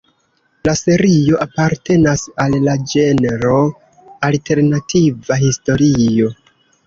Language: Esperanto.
La serio apartenas al la ĝenro alternativa historio.